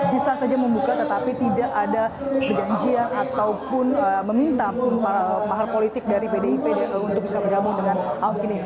bisa saja membuka tetapi tidak ada perjanjian ataupun meminta mahar politik dari pdip untuk bisa bergabung dengan ahok ini